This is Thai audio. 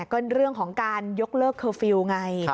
ก็เรื่องของการยกเลิกเคอร์ฟิลล์ไง